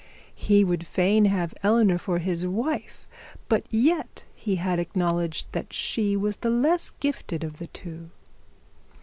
He would fain have Eleanor for his wife, but yet he had acknowledged that she was the less gifted of the two.